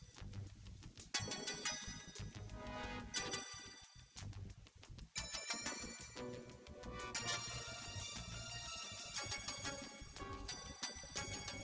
rambun menelek si s pdf kacang